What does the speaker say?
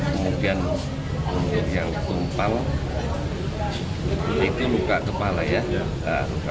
kemudian yang tumpal itu luka kepala ya